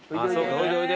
おいでおいで。